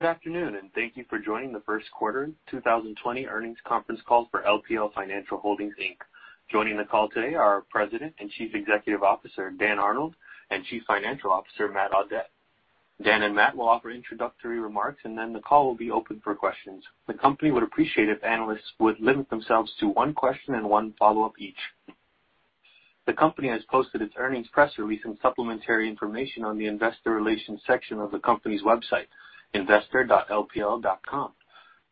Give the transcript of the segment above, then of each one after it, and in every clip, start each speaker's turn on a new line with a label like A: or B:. A: Good afternoon, and thank you for joining the first quarter 2020 earnings conference call for LPL Financial Holdings, Inc. Joining the call today are our President and Chief Executive Officer, Dan Arnold, and Chief Financial Officer, Matt Audette. Dan and Matt will offer introductory remarks, and then the call will be open for questions. The company would appreciate it if analysts would limit themselves to one question and one follow-up each. The company has posted its earnings press release and supplementary information on the investor relations section of the company's website, investor.lpl.com.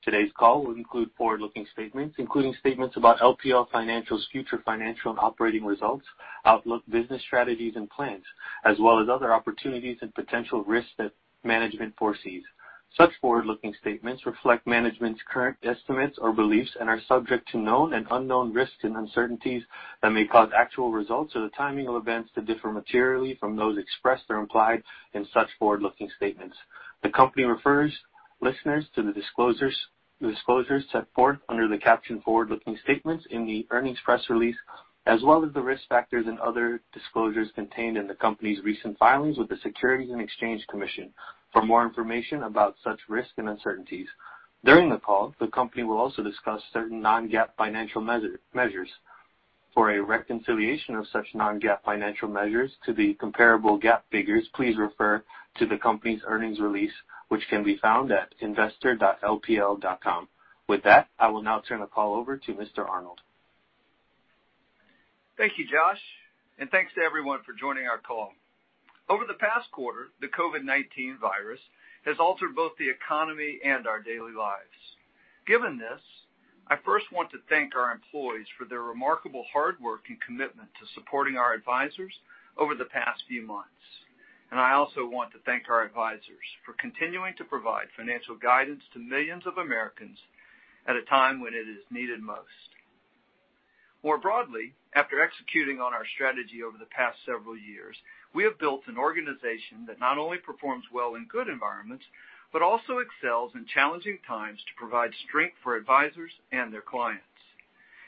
A: Today's call will include forward-looking statements, including statements about LPL Financial's future financial and operating results, outlook, business strategies, and plans, as well as other opportunities and potential risks that management foresees. Such forward-looking statements reflect management's current estimates or beliefs and are subject to known and unknown risks and uncertainties that may cause actual results or the timing of events to differ materially from those expressed or implied in such forward-looking statements. The company refers listeners to the disclosures set forth under the captioned forward-looking statements in the earnings press release, as well as the risk factors and other disclosures contained in the company's recent filings with the Securities and Exchange Commission. For more information about such risks and uncertainties, during the call, the company will also discuss certain Non-GAAP financial measures. For a reconciliation of such Non-GAAP financial measures to the comparable GAAP figures, please refer to the company's earnings release, which can be found at investor.lpl.com. With that, I will now turn the call over to Mr. Arnold.
B: Thank you, Josh, and thanks to everyone for joining our call. Over the past quarter, the COVID-19 virus has altered both the economy and our daily lives. Given this, I first want to thank our employees for their remarkable hard work and commitment to supporting our advisors over the past few months. And I also want to thank our advisors for continuing to provide financial guidance to millions of Americans at a time when it is needed most. More broadly, after executing on our strategy over the past several years, we have built an organization that not only performs well in good environments but also excels in challenging times to provide strength for advisors and their clients.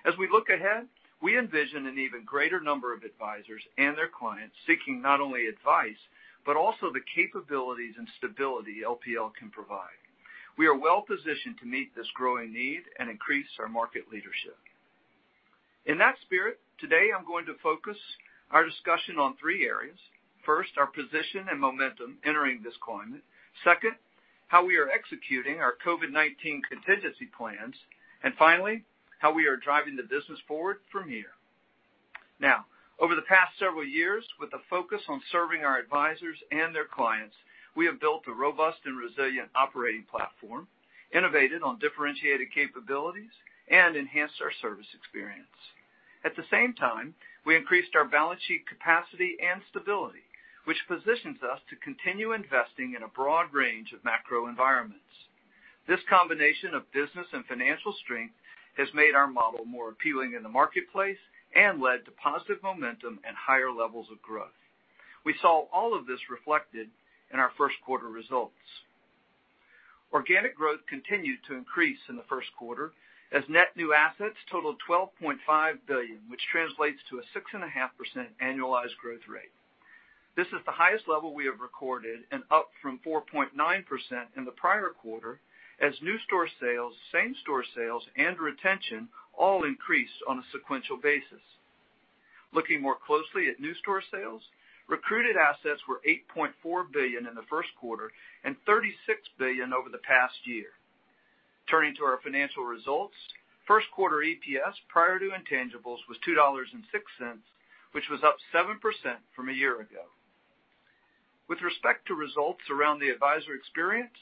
B: As we look ahead, we envision an even greater number of advisors and their clients seeking not only advice but also the capabilities and stability LPL can provide. We are well positioned to meet this growing need and increase our market leadership. In that spirit, today I'm going to focus our discussion on three areas. First, our position and momentum entering this climate. Second, how we are executing our COVID-19 contingency plans. And finally, how we are driving the business forward from here. Now, over the past several years, with a focus on serving our advisors and their clients, we have built a robust and resilient operating platform, innovated on differentiated capabilities, and enhanced our service experience. At the same time, we increased our balance sheet capacity and stability, which positions us to continue investing in a broad range of macro environments. This combination of business and financial strength has made our model more appealing in the marketplace and led to positive momentum and higher levels of growth. We saw all of this reflected in our first quarter results. Organic growth continued to increase in the first quarter as net new assets totaled $12.5 billion, which translates to a 6.5% annualized growth rate. This is the highest level we have recorded and up from 4.9% in the prior quarter as new-store sales, same-store sales, and retention all increased on a sequential basis. Looking more closely at new-store sales, recruited assets were $8.4 billion in the first quarter and $36 billion over the past year. Turning to our financial results, first quarter EPS prior to intangibles was $2.06, which was up 7% from a year ago. With respect to results around the advisor experience,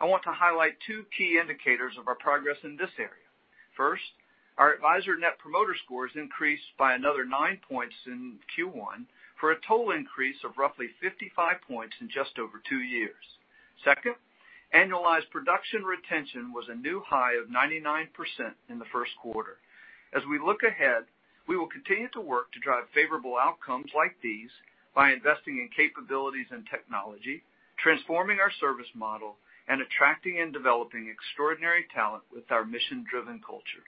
B: I want to highlight two key indicators of our progress in this area. First, our advisor Net Promoter Scores increased by another nine points in Q1 for a total increase of roughly 55 points in just over two years. Second, annualized production retention was a new high of 99% in the first quarter. As we look ahead, we will continue to work to drive favorable outcomes like these by investing in capabilities and technology, transforming our service model, and attracting and developing extraordinary talent with our mission-driven culture.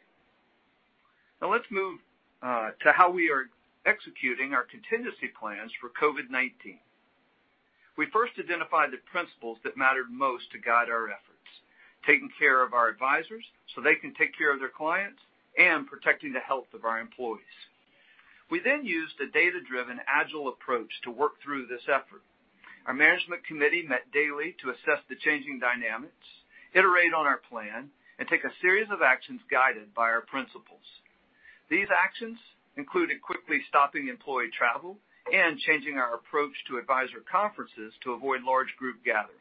B: Now, let's move to how we are executing our contingency plans for COVID-19. We first identified the principles that mattered most to guide our efforts: taking care of our advisors so they can take care of their clients and protecting the health of our employees. We then used a data-driven, agile approach to work through this effort. Our management committee met daily to assess the changing dynamics, iterate on our plan, and take a series of actions guided by our principles. These actions included quickly stopping employee travel and changing our approach to advisor conferences to avoid large group gatherings.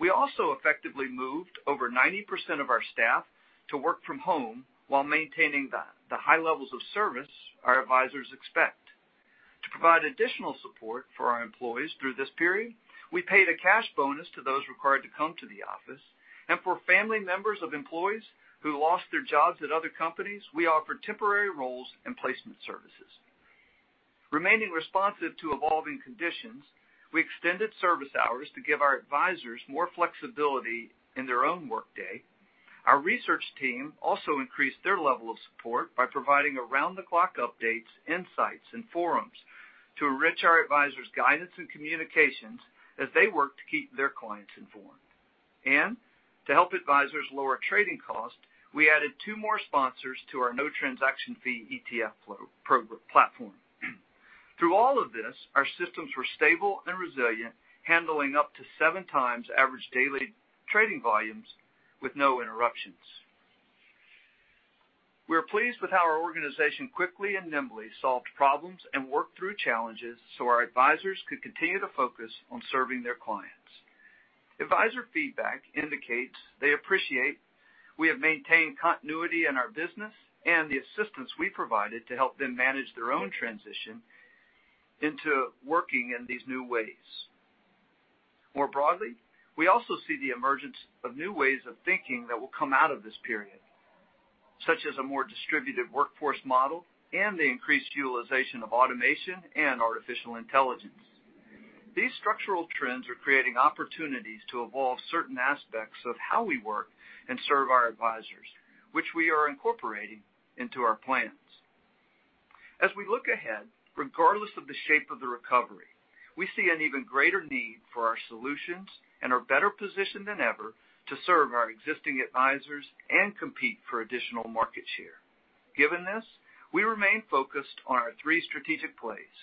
B: We also effectively moved over 90% of our staff to work from home while maintaining the high levels of service our advisors expect. To provide additional support for our employees through this period, we paid a cash bonus to those required to come to the office, and for family members of employees who lost their jobs at other companies, we offered temporary roles and placement services. Remaining responsive to evolving conditions, we extended service hours to give our advisors more flexibility in their own workday. Our research team also increased their level of support by providing around-the-clock updates, insights, and forums to enrich our advisors' guidance and communications as they work to keep their clients informed. And to help advisors lower trading costs, we added two more sponsors to our No Transaction Fee ETF platform. Through all of this, our systems were stable and resilient, handling up to seven times average daily trading volumes with no interruptions. We are pleased with how our organization quickly and nimbly solved problems and worked through challenges so our advisors could continue to focus on serving their clients. Advisor feedback indicates they appreciate we have maintained continuity in our business and the assistance we provided to help them manage their own transition into working in these new ways. More broadly, we also see the emergence of new ways of thinking that will come out of this period, such as a more distributed workforce model and the increased utilization of automation and artificial intelligence. These structural trends are creating opportunities to evolve certain aspects of how we work and serve our advisors, which we are incorporating into our plans. As we look ahead, regardless of the shape of the recovery, we see an even greater need for our solutions and are better positioned than ever to serve our existing advisors and compete for additional market share. Given this, we remain focused on our three strategic plays.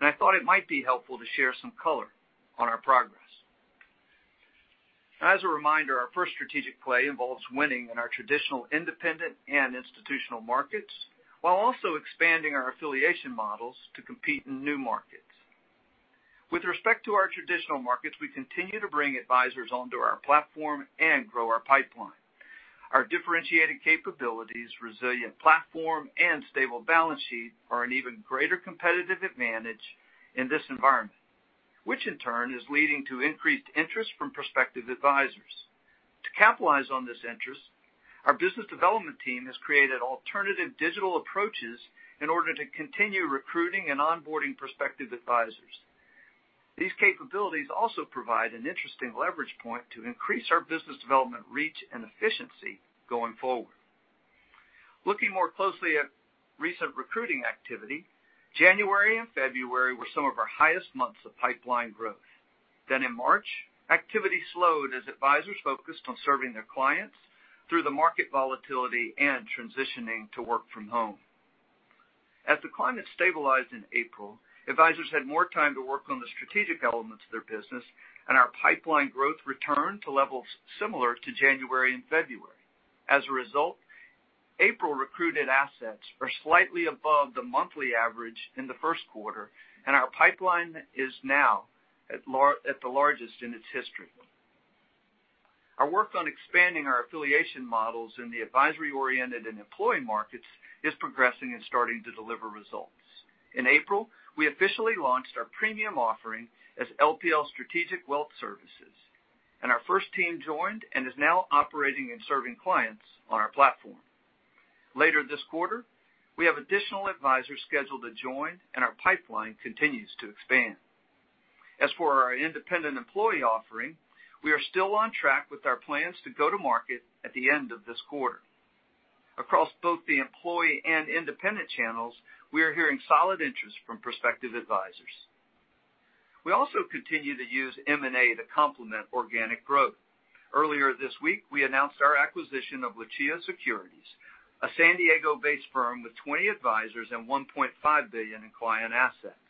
B: And I thought it might be helpful to share some color on our progress. As a reminder, our first strategic play involves winning in our traditional independent and institutional markets while also expanding our affiliation models to compete in new markets. With respect to our traditional markets, we continue to bring advisors onto our platform and grow our pipeline. Our differentiated capabilities, resilient platform, and stable balance sheet are an even greater competitive advantage in this environment, which in turn is leading to increased interest from prospective advisors. To capitalize on this interest, our business development team has created alternative digital approaches in order to continue recruiting and onboarding prospective advisors. These capabilities also provide an interesting leverage point to increase our business development reach and efficiency going forward. Looking more closely at recent recruiting activity, January and February were some of our highest months of pipeline growth. Then in March, activity slowed as advisors focused on serving their clients through the market volatility and transitioning to work from home. As the climate stabilized in April, advisors had more time to work on the strategic elements of their business, and our pipeline growth returned to levels similar to January and February. As a result, April recruited assets are slightly above the monthly average in the first quarter, and our pipeline is now at the largest in its history. Our work on expanding our affiliation models in the advisory-oriented and employee markets is progressing and starting to deliver results. In April, we officially launched our premium offering as LPL Strategic Wealth Services, and our first team joined and is now operating and serving clients on our platform. Later this quarter, we have additional advisors scheduled to join, and our pipeline continues to expand. As for our independent employee offering, we are still on track with our plans to go to market at the end of this quarter. Across both the employee and independent channels, we are hearing solid interest from prospective advisors. We also continue to use M&A to complement organic growth. Earlier this week, we announced our acquisition of Lucia Securities, a San Diego-based firm with 20 advisors and $1.5 billion in client assets.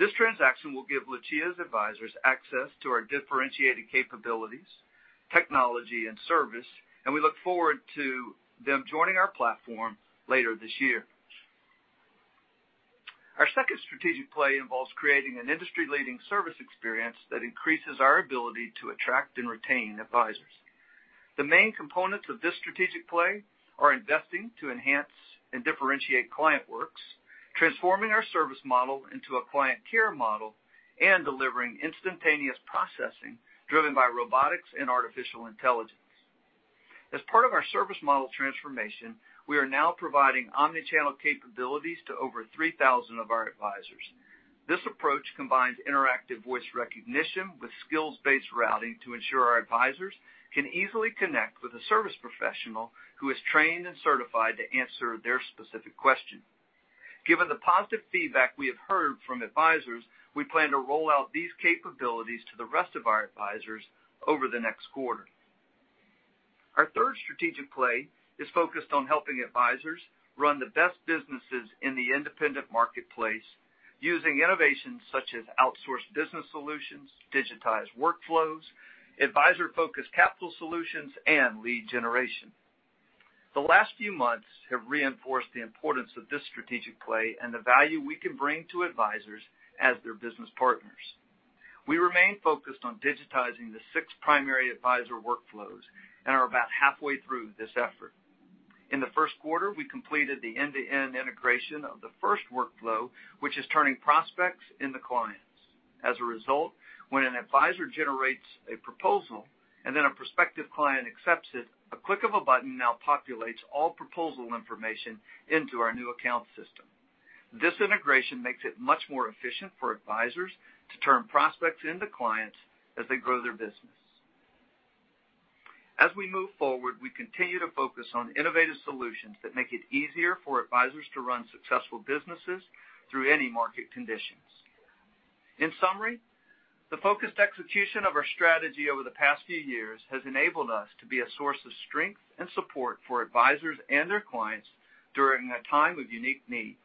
B: This transaction will give Lucia's advisors access to our differentiated capabilities, technology, and service, and we look forward to them joining our platform later this year. Our second strategic play involves creating an industry-leading service experience that increases our ability to attract and retain advisors. The main components of this strategic play are investing to enhance and differentiate ClientWorks, transforming our service model into a client care model, and delivering instantaneous processing driven by robotics and artificial intelligence. As part of our service model transformation, we are now providing omnichannel capabilities to over 3,000 of our advisors. This approach combines interactive voice recognition with skills-based routing to ensure our advisors can easily connect with a service professional who is trained and certified to answer their specific questions. Given the positive feedback we have heard from advisors, we plan to roll out these capabilities to the rest of our advisors over the next quarter. Our third strategic play is focused on helping advisors run the best businesses in the independent marketplace using innovations such as outsourced business solutions, digitized workflows, advisor-focused capital solutions, and lead generation. The last few months have reinforced the importance of this strategic play and the value we can bring to advisors as their business partners. We remain focused on digitizing the six primary advisor workflows and are about halfway through this effort. In the first quarter, we completed the end-to-end integration of the first workflow, which is turning prospects into clients. As a result, when an advisor generates a proposal and then a prospective client accepts it, a click of a button now populates all proposal information into our new account system. This integration makes it much more efficient for advisors to turn prospects into clients as they grow their business. As we move forward, we continue to focus on innovative solutions that make it easier for advisors to run successful businesses through any market conditions. In summary, the focused execution of our strategy over the past few years has enabled us to be a source of strength and support for advisors and their clients during a time of unique need.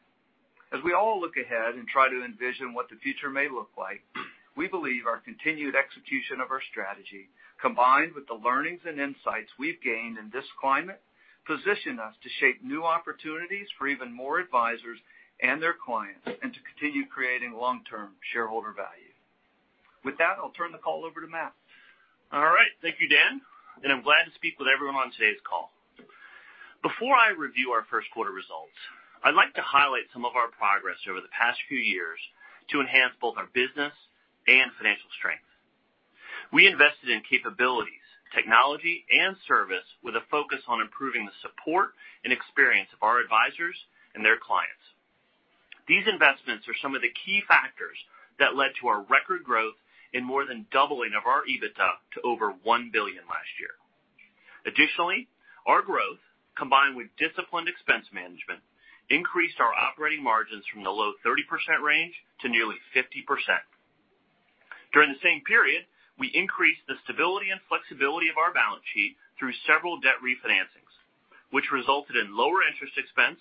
B: As we all look ahead and try to envision what the future may look like, we believe our continued execution of our strategy, combined with the learnings and insights we've gained in this climate, position us to shape new opportunities for even more advisors and their clients and to continue creating long-term shareholder value. With that, I'll turn the call over to Matt.
C: All right. Thank you, Dan. I'm glad to speak with everyone on today's call. Before I review our first quarter results, I'd like to highlight some of our progress over the past few years to enhance both our business and financial strength. We invested in capabilities, technology, and service with a focus on improving the support and experience of our advisors and their clients. These investments are some of the key factors that led to our record growth in more than doubling of our EBITDA to over $1 billion last year. Additionally, our growth, combined with disciplined expense management, increased our operating margins from the low 30% range to nearly 50%. During the same period, we increased the stability and flexibility of our balance sheet through several debt refinancings, which resulted in lower interest expense,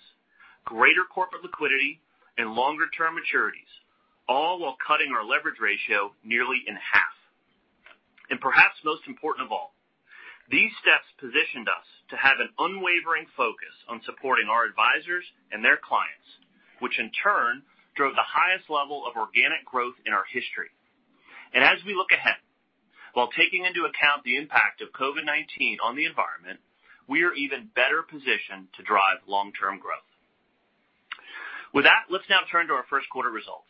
C: greater corporate liquidity, and longer-term maturities, all while cutting our leverage ratio nearly in half. Perhaps most important of all, these steps positioned us to have an unwavering focus on supporting our advisors and their clients, which in turn drove the highest level of organic growth in our history. As we look ahead, while taking into account the impact of COVID-19 on the environment, we are even better positioned to drive long-term growth. With that, let's now turn to our first quarter results.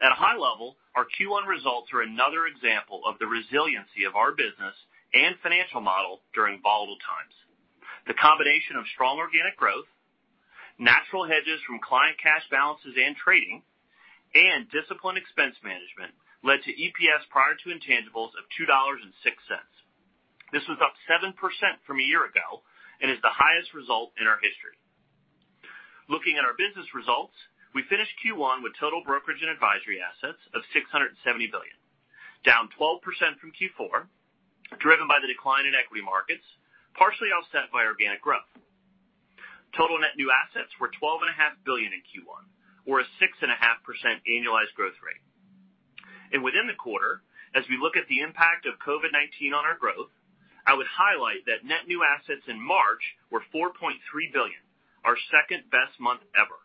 C: At a high level, our Q1 results are another example of the resiliency of our business and financial model during volatile times. The combination of strong organic growth, natural hedges from client cash balances and trading, and disciplined expense management led to EPS prior to intangibles of $2.06. This was up 7% from a year ago and is the highest result in our history. Looking at our business results, we finished Q1 with total brokerage and advisory assets of $670 billion, down 12% from Q4, driven by the decline in equity markets, partially offset by organic growth. Total net new assets were $12.5 billion in Q1, or a 6.5% annualized growth rate. Within the quarter, as we look at the impact of COVID-19 on our growth, I would highlight that net new assets in March were $4.3 billion, our second-best month ever.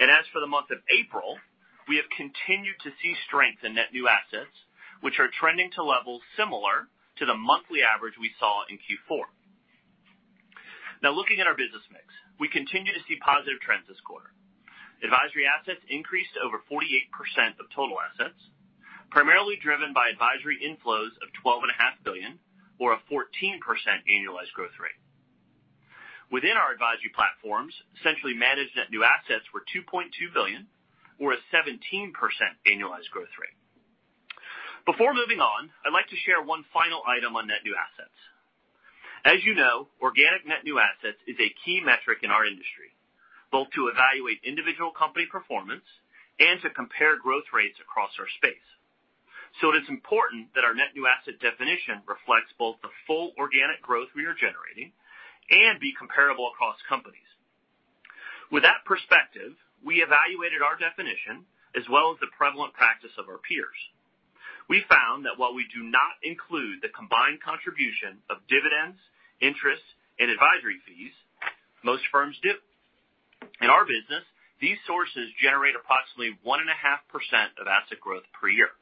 C: As for the month of April, we have continued to see strength in net new assets, which are trending to levels similar to the monthly average we saw in Q4. Now, looking at our business mix, we continue to see positive trends this quarter. Advisory assets increased over 48% of total assets, primarily driven by advisory inflows of $12.5 billion, or a 14% annualized growth rate. Within our advisory platforms, centrally managed net new assets were $2.2 billion, or a 17% annualized growth rate. Before moving on, I'd like to share one final item on net new assets. As you know, organic net new assets is a key metric in our industry, both to evaluate individual company performance and to compare growth rates across our space. So it is important that our net new asset definition reflects both the full organic growth we are generating and be comparable across companies. With that perspective, we evaluated our definition as well as the prevalent practice of our peers. We found that while we do not include the combined contribution of dividends, interest, and advisory fees, most firms do. In our business, these sources generate approximately 1.5% of asset growth per year.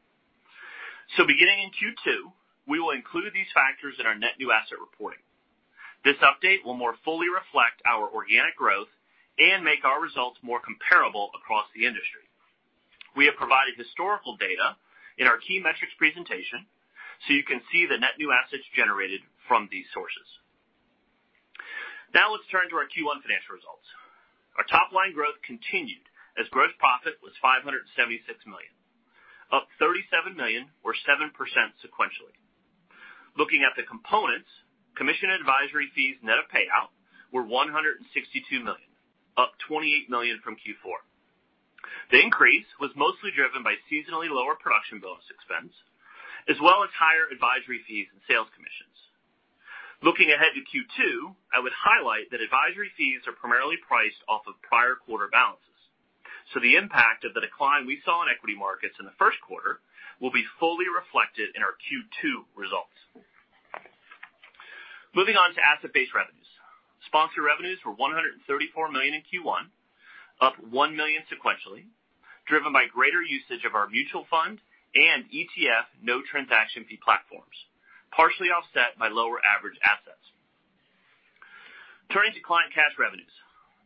C: So beginning in Q2, we will include these factors in our net new asset reporting. This update will more fully reflect our organic growth and make our results more comparable across the industry. We have provided historical data in our key metrics presentation, so you can see the net new assets generated from these sources. Now let's turn to our Q1 financial results. Our top-line growth continued as gross profit was $576 million, up $37 million, or 7% sequentially. Looking at the components, commission and advisory fees net of payout were $162 million, up $28 million from Q4. The increase was mostly driven by seasonally lower production bonus expense, as well as higher advisory fees and sales commissions. Looking ahead to Q2, I would highlight that advisory fees are primarily priced off of prior quarter balances. So the impact of the decline we saw in equity markets in the first quarter will be fully reflected in our Q2 results. Moving on to asset-based revenues. Sponsored revenues were $134 million in Q1, up $1 million sequentially, driven by greater usage of our mutual fund and ETF No Transaction Fee platforms, partially offset by lower average assets. Turning to client cash revenues,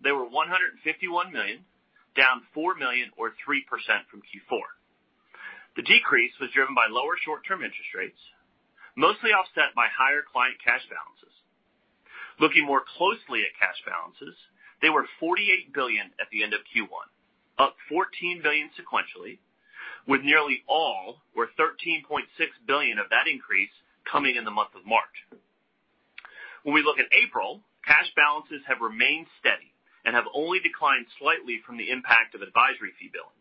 C: they were $151 million, down $4 million, or 3% from Q4. The decrease was driven by lower short-term interest rates, mostly offset by higher client cash balances. Looking more closely at cash balances, they were $48 billion at the end of Q1, up $14 billion sequentially, with nearly all or $13.6 billion of that increase coming in the month of March. When we look at April, cash balances have remained steady and have only declined slightly from the impact of advisory fee billings.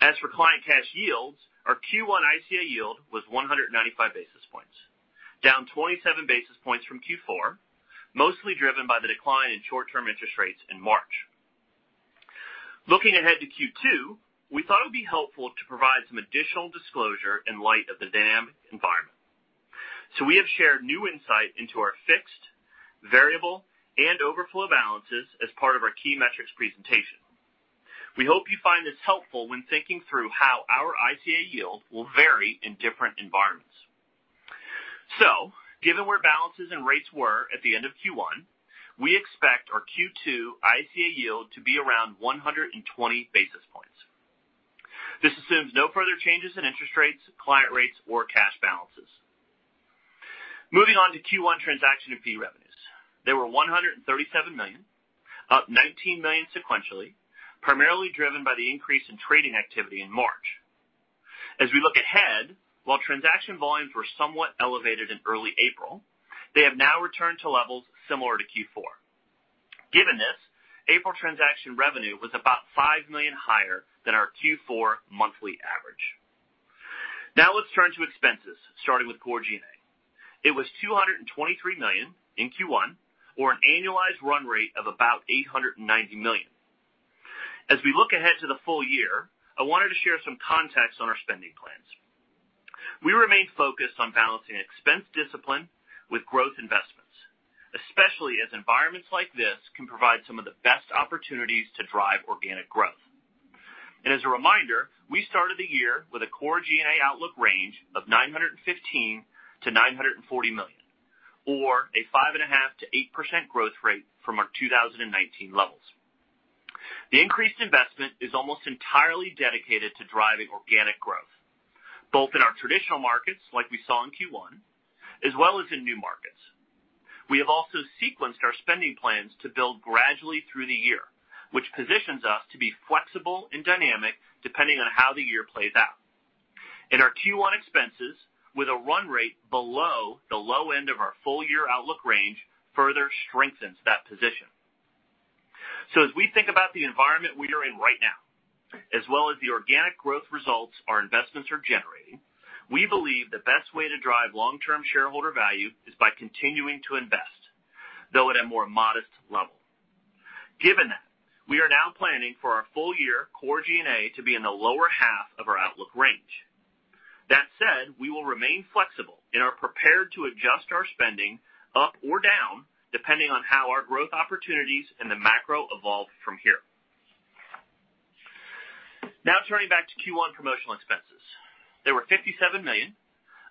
C: As for client cash yields, our Q1 ICA yield was 195 basis points, down 27 basis points from Q4, mostly driven by the decline in short-term interest rates in March. Looking ahead to Q2, we thought it would be helpful to provide some additional disclosure in light of the dynamic environment. So we have shared new insight into our fixed, variable, and overflow balances as part of our key metrics presentation. We hope you find this helpful when thinking through how our ICA yield will vary in different environments. So given where balances and rates were at the end of Q1, we expect our Q2 ICA yield to be around 120 basis points. This assumes no further changes in interest rates, client rates, or cash balances. Moving on to Q1 transaction and fee revenues. They were $137 million, up $19 million sequentially, primarily driven by the increase in trading activity in March. As we look ahead, while transaction volumes were somewhat elevated in early April, they have now returned to levels similar to Q4. Given this, April transaction revenue was about $5 million higher than our Q4 monthly average. Now let's turn to expenses, starting with Core G&A. It was $223 million in Q1, or an annualized run rate of about $890 million. As we look ahead to the full year, I wanted to share some context on our spending plans. We remain focused on balancing expense discipline with growth investments, especially as environments like this can provide some of the best opportunities to drive organic growth. And as a reminder, we started the year with a Core G&A outlook range of $915 million-$940 million, or a 5.5%-8% growth rate from our 2019 levels. The increased investment is almost entirely dedicated to driving organic growth, both in our traditional markets like we saw in Q1, as well as in new markets. We have also sequenced our spending plans to build gradually through the year, which positions us to be flexible and dynamic depending on how the year plays out, and our Q1 expenses with a run rate below the low end of our full year outlook range further strengthens that position, so as we think about the environment we are in right now, as well as the organic growth results our investments are generating, we believe the best way to drive long-term shareholder value is by continuing to invest, though at a more modest level. Given that, we are now planning for our full year Core G&A to be in the lower half of our outlook range. That said, we will remain flexible and are prepared to adjust our spending up or down depending on how our growth opportunities and the macro evolve from here. Now turning back to Q1 promotional expenses. They were $57 million,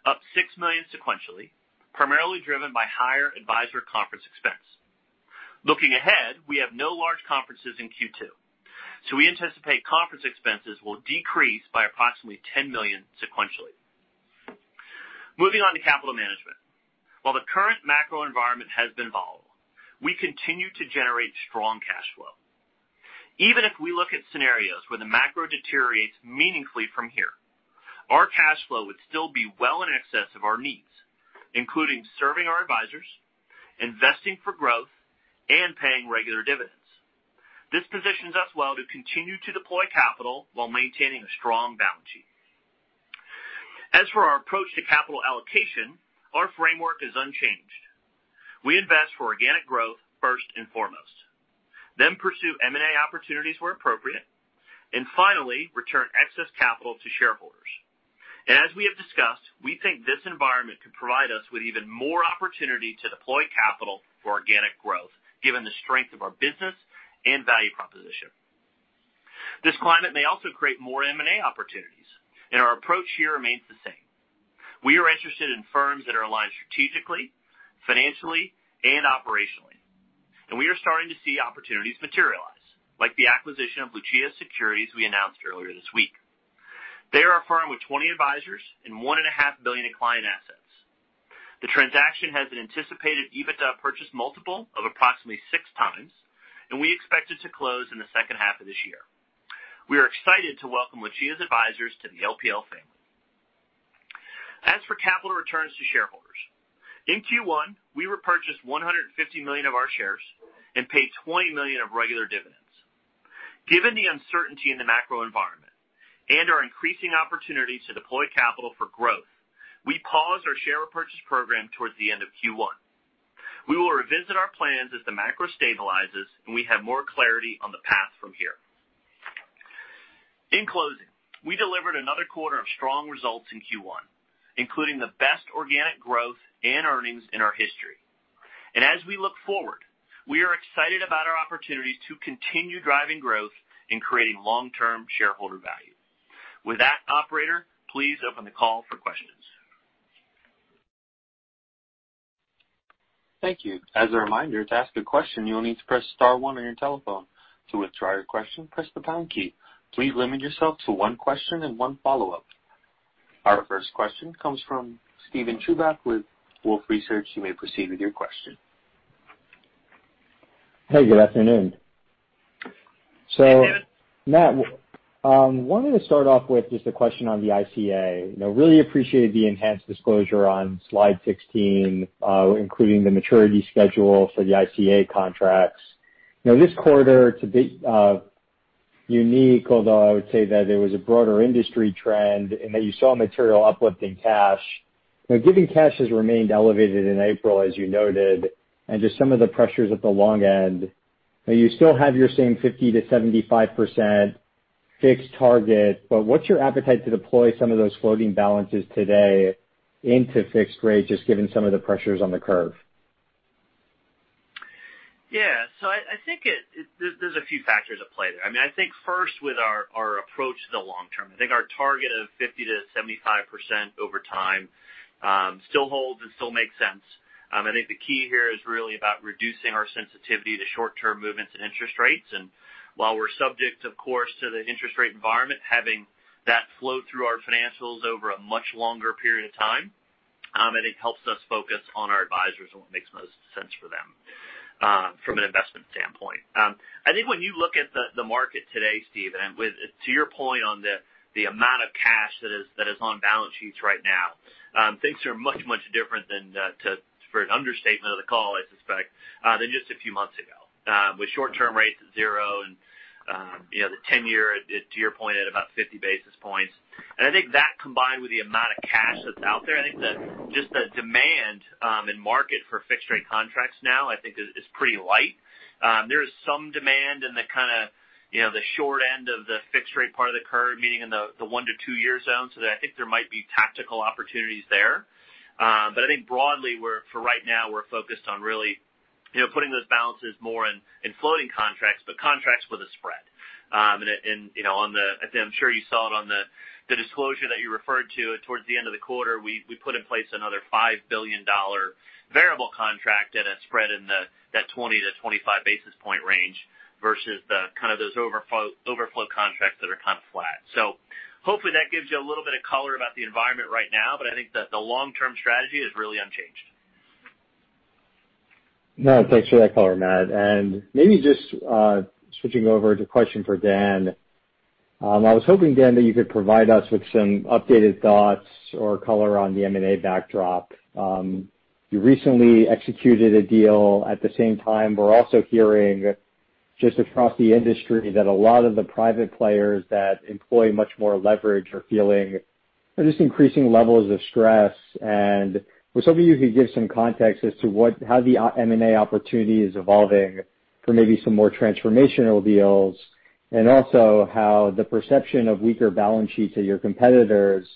C: up $6 million sequentially, primarily driven by higher advisor conference expense. Looking ahead, we have no large conferences in Q2, so we anticipate conference expenses will decrease by approximately $10 million sequentially. Moving on to capital management. While the current macro environment has been volatile, we continue to generate strong cash flow. Even if we look at scenarios where the macro deteriorates meaningfully from here, our cash flow would still be well in excess of our needs, including serving our advisors, investing for growth, and paying regular dividends. This positions us well to continue to deploy capital while maintaining a strong balance sheet. As for our approach to capital allocation, our framework is unchanged. We invest for organic growth first and foremost, then pursue M&A opportunities where appropriate, and finally, return excess capital to shareholders. And as we have discussed, we think this environment could provide us with even more opportunity to deploy capital for organic growth, given the strength of our business and value proposition. This climate may also create more M&A opportunities, and our approach here remains the same. We are interested in firms that are aligned strategically, financially, and operationally, and we are starting to see opportunities materialize, like the acquisition of Lucia Securities we announced earlier this week. They are a firm with 20 advisors and $1.5 billion in client assets. The transaction has an anticipated EBITDA purchase multiple of approximately six times, and we expect it to close in the second half of this year. We are excited to welcome Lucia's advisors to the LPL family. As for capital returns to shareholders, in Q1, we repurchased $150 million of our shares and paid $20 million of regular dividends. Given the uncertainty in the macro environment and our increasing opportunities to deploy capital for growth, we paused our share repurchase program towards the end of Q1. We will revisit our plans as the macro stabilizes, and we have more clarity on the path from here. In closing, we delivered another quarter of strong results in Q1, including the best organic growth and earnings in our history. And as we look forward, we are excited about our opportunities to continue driving growth and creating long-term shareholder value. With that, operator, please open the call for questions.
A: Thank you. As a reminder, to ask a question, you'll need to press star one on your telephone. To withdraw your question, press the pound key. Please limit yourself to one question and one follow-up. Our first question comes from Steven Chubak with Wolfe Research. You may proceed with your question.
D: Hey, good afternoon. So, Matt, wanted to start off with just a question on the ICA. Really appreciate the enhanced disclosure on slide 16, including the maturity schedule for the ICA contracts. This quarter, it's a bit unique, although I would say that there was a broader industry trend and that you saw material uplift in cash. Given cash has remained elevated in April, as you noted, and just some of the pressures at the long end, you still have your same 50%-75% fixed target. But what's your appetite to deploy some of those floating balances today into fixed rate, just given some of the pressures on the curve?
C: Yeah. So I think there's a few factors at play there. I mean, I think first, with our approach to the long term, I think our target of 50%-75% over time still holds and still makes sense. I think the key here is really about reducing our sensitivity to short-term movements in interest rates. And while we're subject, of course, to the interest rate environment, having that flow through our financials over a much longer period of time, I think helps us focus on our advisors and what makes most sense for them from an investment standpoint. I think when you look at the market today, Steven, and to your point on the amount of cash that is on balance sheets right now, things are much, much different than, for an understatement of the call, I suspect, than just a few months ago, with short-term rates at zero and the 10-year, to your point, at about 50 basis points. And I think that combined with the amount of cash that's out there, I think that just the demand and market for fixed-rate contracts now, I think, is pretty light. There is some demand in the kind of the short end of the fixed-rate part of the curve, meaning in the one- to two-year zone, so that I think there might be tactical opportunities there. But I think broadly, for right now, we're focused on really putting those balances more in floating contracts, but contracts with a spread. And I'm sure you saw it on the disclosure that you referred to towards the end of the quarter, we put in place another $5 billion variable contract at a spread in that 20-25 basis point range versus the kind of those overflow contracts that are kind of flat. So hopefully that gives you a little bit of color about the environment right now, but I think that the long-term strategy is really unchanged.
D: No, thanks for that color, Matt. And maybe just switching over to a question for Dan. I was hoping, Dan, that you could provide us with some updated thoughts or color on the M&A backdrop. You recently executed a deal at the same time. We're also hearing just across the industry that a lot of the private players that employ much more leverage are feeling just increasing levels of stress. And I was hoping you could give some context as to how the M&A opportunity is evolving for maybe some more transformational deals and also how the perception of weaker balance sheets at your competitors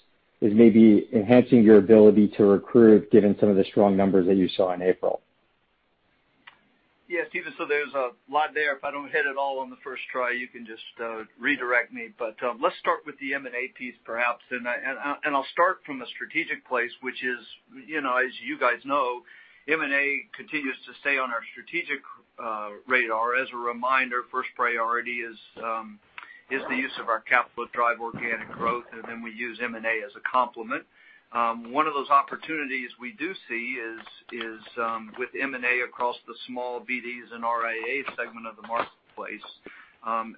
D: is maybe enhancing your ability to recruit, given some of the strong numbers that you saw in April.
B: Yeah, Steven, so there's a lot there. If I don't hit it all on the first try, you can just redirect me. But let's start with the M&A piece, perhaps. And I'll start from a strategic place, which is, as you guys know, M&A continues to stay on our strategic radar. As a reminder, first priority is the use of our capital to drive organic growth, and then we use M&A as a complement. One of those opportunities we do see is with M&A across the small BDs and RIA segment of the marketplace.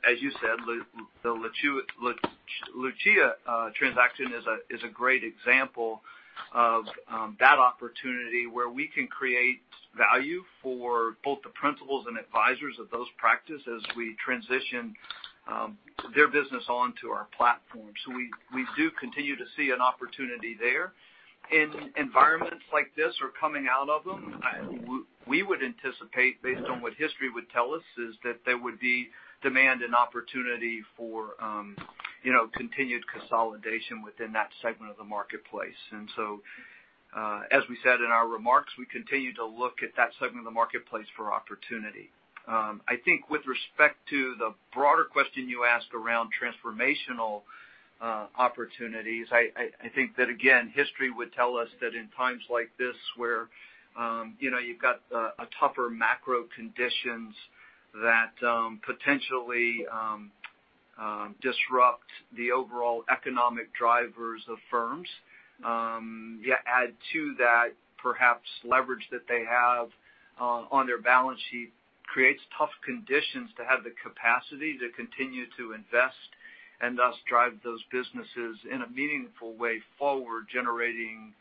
B: As you said, the Lucia transaction is a great example of that opportunity where we can create value for both the principals and advisors of those practices as we transition their business onto our platform. So we do continue to see an opportunity there. In environments like this or coming out of them, we would anticipate, based on what history would tell us, that there would be demand and opportunity for continued consolidation within that segment of the marketplace. And so, as we said in our remarks, we continue to look at that segment of the marketplace for opportunity. I think with respect to the broader question you asked around transformational opportunities, I think that, again, history would tell us that in times like this where you've got tougher macro conditions that potentially disrupt the overall economic drivers of firms, yet add to that perhaps leverage that they have on their balance sheet creates tough conditions to have the capacity to continue to invest and thus drive those businesses in a meaningful way forward, generating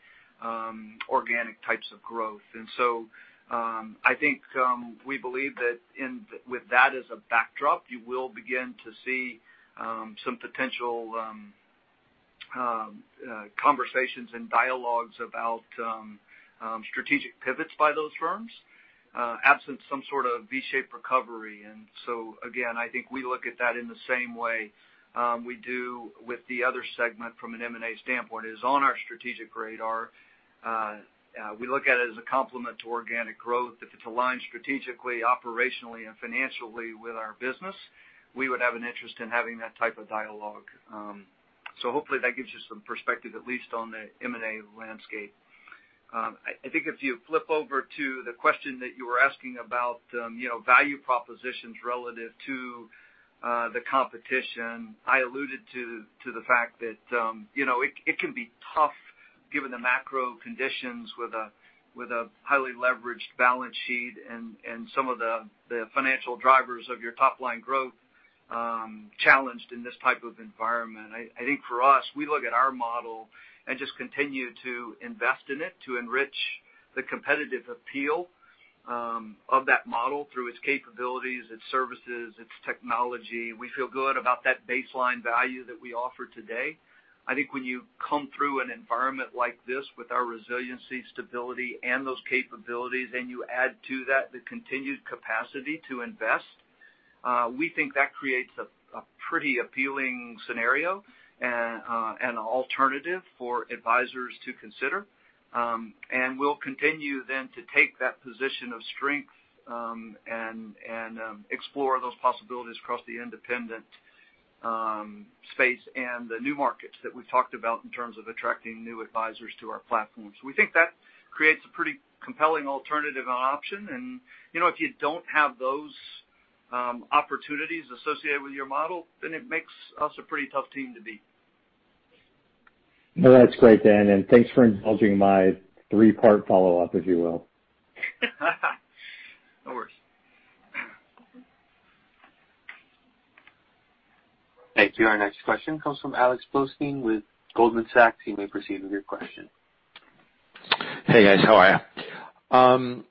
B: organic types of growth. And so I think we believe that with that as a backdrop, you will begin to see some potential conversations and dialogues about strategic pivots by those firms absent some sort of V-shaped recovery. And so, again, I think we look at that in the same way we do with the other segment from an M&A standpoint. It is on our strategic radar. We look at it as a complement to organic growth. If it's aligned strategically, operationally, and financially with our business, we would have an interest in having that type of dialogue. So hopefully that gives you some perspective, at least on the M&A landscape. I think if you flip over to the question that you were asking about value propositions relative to the competition, I alluded to the fact that it can be tough given the macro conditions with a highly leveraged balance sheet and some of the financial drivers of your top-line growth challenged in this type of environment. I think for us, we look at our model and just continue to invest in it to enrich the competitive appeal of that model through its capabilities, its services, its technology. We feel good about that baseline value that we offer today. I think when you come through an environment like this with our resiliency, stability, and those capabilities, and you add to that the continued capacity to invest, we think that creates a pretty appealing scenario and alternative for advisors to consider, and we'll continue then to take that position of strength and explore those possibilities across the independent space and the new markets that we've talked about in terms of attracting new advisors to our platform, so we think that creates a pretty compelling alternative and option, and if you don't have those opportunities associated with your model, then it makes us a pretty tough team to beat.
D: No, that's great, Dan. And thanks for indulging my three-part follow-up, if you will.
B: No worries.
A: Thank you. Our next question comes from Alex Blostein with Goldman Sachs. You may proceed with your question.
E: Hey, guys. How are you?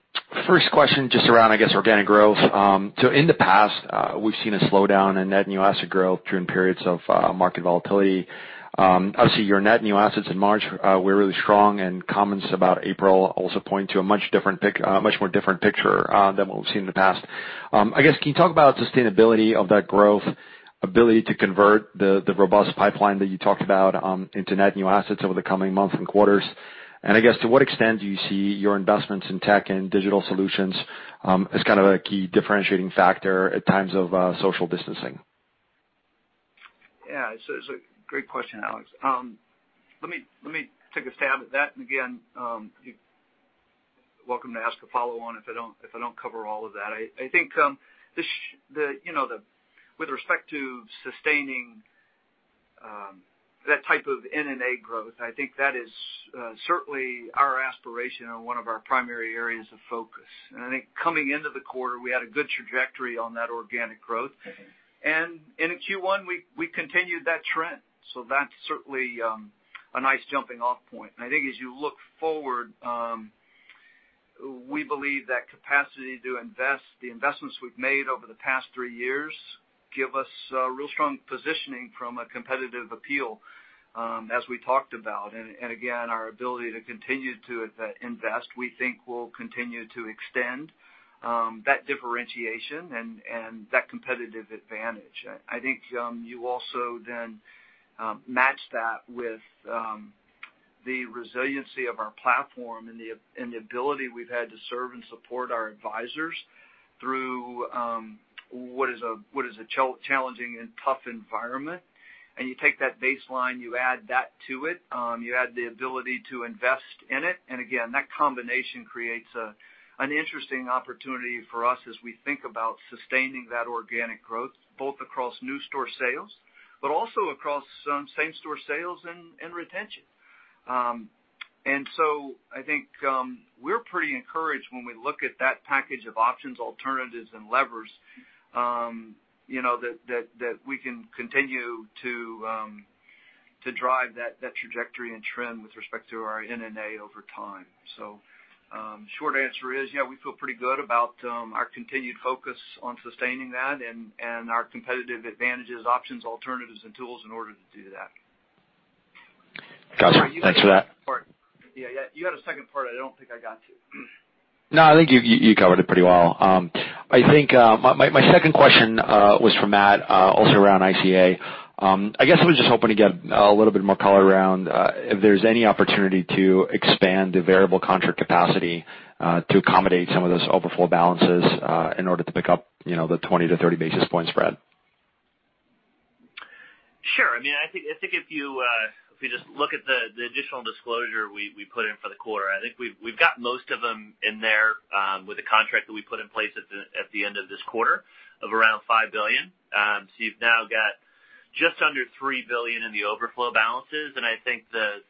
E: First question just around, I guess, organic growth. So in the past, we've seen a slowdown in net new asset growth during periods of market volatility. Obviously, your net new assets in March were really strong, and comments about April also point to a much more different picture than what we've seen in the past. I guess, can you talk about sustainability of that growth, ability to convert the robust pipeline that you talked about into net new assets over the coming months and quarters? I guess, to what extent do you see your investments in tech and digital solutions as kind of a key differentiating factor at times of social distancing?
B: Yeah. It's a great question, Alex. Let me take a stab at that. And again, you're welcome to ask a follow-on if I don't cover all of that. I think with respect to sustaining that type of NNA growth, I think that is certainly our aspiration and one of our primary areas of focus. And I think coming into the quarter, we had a good trajectory on that organic growth. And in Q1, we continued that trend. So that's certainly a nice jumping-off point. And I think as you look forward, we believe that capacity to invest, the investments we've made over the past three years, give us a real strong positioning from a competitive appeal, as we talked about. And again, our ability to continue to invest, we think, will continue to extend that differentiation and that competitive advantage. I think you also then match that with the resiliency of our platform and the ability we've had to serve and support our advisors through what is a challenging and tough environment. And you take that baseline, you add that to it, you add the ability to invest in it. And again, that combination creates an interesting opportunity for us as we think about sustaining that organic growth, both across new store sales but also across same-store sales and retention. And so I think we're pretty encouraged when we look at that package of options, alternatives, and levers that we can continue to drive that trajectory and trend with respect to our NNA over time. So short answer is, yeah, we feel pretty good about our continued focus on sustaining that and our competitive advantages, options, alternatives, and tools in order to do that.
E: Gotcha. Thanks for that.
B: Yeah. You had a second part I don't think I got to.
E: No, I think you covered it pretty well. I think my second question was for Matt, also around ICA. I guess I was just hoping to get a little bit more color around if there's any opportunity to expand the variable contract capacity to accommodate some of those overflow balances in order to pick up the 20-30 basis point spread.
C: Sure. I mean, I think if you just look at the additional disclosure we put in for the quarter, I think we've got most of them in there with the contract that we put in place at the end of this quarter of around $5 billion. So you've now got just under $3 billion in the overflow balances. And I think that,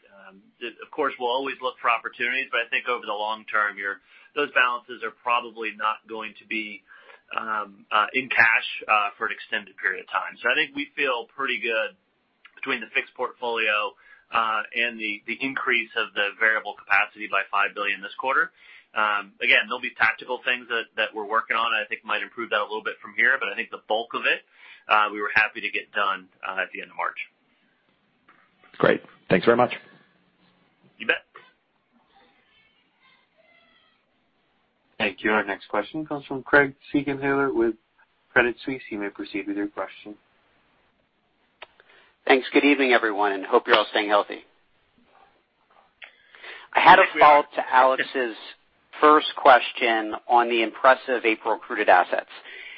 C: of course, we'll always look for opportunities, but I think over the long term, those balances are probably not going to be in cash for an extended period of time. So I think we feel pretty good between the fixed portfolio and the increase of the variable capacity by $5 billion this quarter. Again, there'll be tactical things that we're working on. I think might improve that a little bit from here, but I think the bulk of it, we were happy to get done at the end of March.
E: Great. Thanks very much.
C: You bet.
A: Thank you. Our next question comes from Craig Siegenthaler with Credit Suisse. You may proceed with your question.
F: Thanks. Good evening, everyone, and hope you're all staying healthy. I had a follow-up to Alex's first question on the impressive April accrued assets.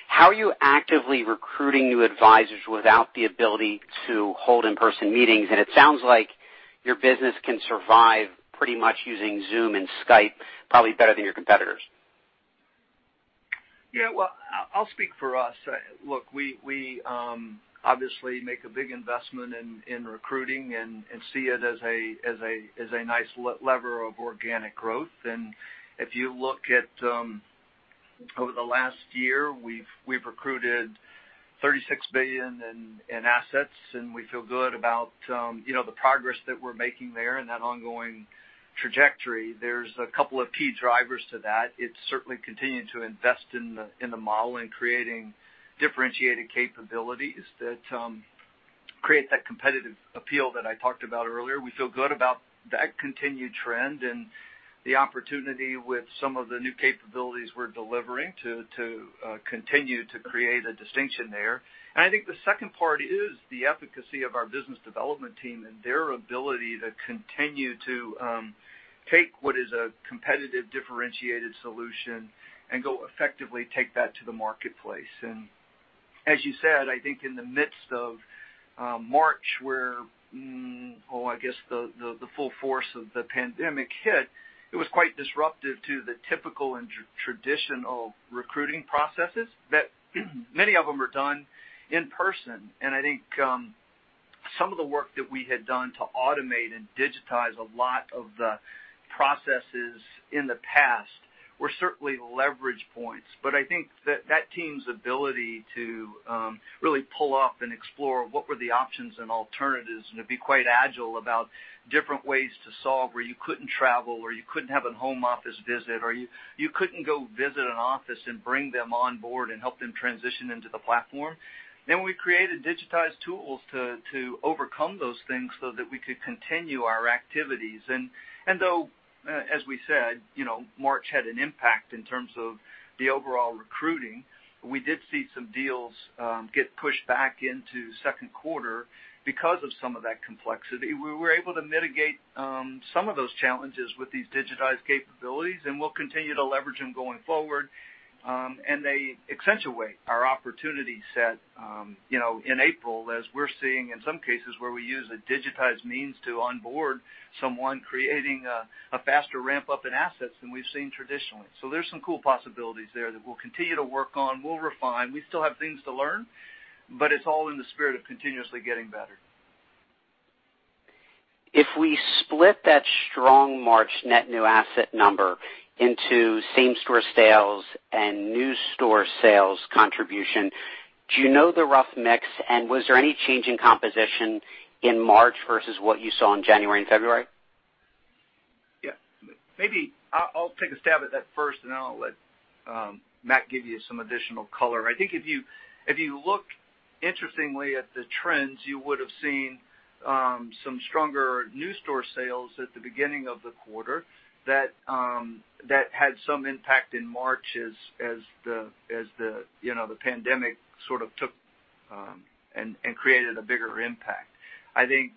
F: How are you actively recruiting new advisors without the ability to hold in-person meetings? And it sounds like your business can survive pretty much using Zoom and Skype probably better than your competitors.
B: Yeah. Well, I'll speak for us. Look, we obviously make a big investment in recruiting and see it as a nice lever of organic growth. And if you look at over the last year, we've recruited $36 billion in assets, and we feel good about the progress that we're making there and that ongoing trajectory. There's a couple of key drivers to that. It's certainly continuing to invest in the model and creating differentiated capabilities that create that competitive appeal that I talked about earlier. We feel good about that continued trend and the opportunity with some of the new capabilities we're delivering to continue to create a distinction there. And I think the second part is the efficacy of our business development team and their ability to continue to take what is a competitive differentiated solution and go effectively take that to the marketplace. As you said, I think in the midst of March where, oh, I guess the full force of the pandemic hit, it was quite disruptive to the typical and traditional recruiting processes that many of them were done in person. I think some of the work that we had done to automate and digitize a lot of the processes in the past were certainly leverage points. I think that team's ability to really pull up and explore what were the options and alternatives and to be quite agile about different ways to solve where you couldn't travel or you couldn't have a home office visit or you couldn't go visit an office and bring them on board and help them transition into the platform. We created digitized tools to overcome those things so that we could continue our activities. Though, as we said, March had an impact in terms of the overall recruiting, we did see some deals get pushed back into second quarter because of some of that complexity. We were able to mitigate some of those challenges with these digitized capabilities, and we'll continue to leverage them going forward. They accentuate our opportunity set in April as we're seeing in some cases where we use a digitized means to onboard someone creating a faster ramp-up in assets than we've seen traditionally. There's some cool possibilities there that we'll continue to work on. We'll refine. We still have things to learn, but it's all in the spirit of continuously getting better.
F: If we split that strong March net new asset number into same-store sales and new store sales contribution, do you know the rough mix? Was there any change in composition in March versus what you saw in January and February?
B: Yeah. Maybe I'll take a stab at that first, and then I'll let Matt give you some additional color. I think if you look interestingly at the trends, you would have seen some stronger same-store sales at the beginning of the quarter that had some impact in March as the pandemic sort of took and created a bigger impact. I think